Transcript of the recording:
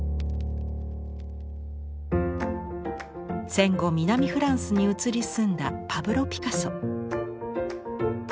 戦後南フランスに移り住んだパブロ・ピカソ。